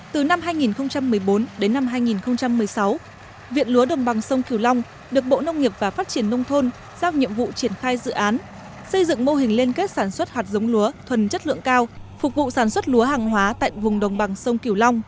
từ năm hai nghìn một mươi bốn đến năm hai nghìn một mươi sáu viện lúa đồng bằng sông cửu long được bộ nông nghiệp và phát triển nông thôn giao nhiệm vụ triển khai dự án xây dựng mô hình liên kết sản xuất hạt giống lúa thuần chất lượng cao phục vụ sản xuất lúa hàng hóa tại vùng đồng bằng sông kiều long